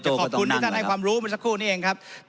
ขอบคุณที่ท่านให้ความรู้เมื่อสักครู่นี้เองครับ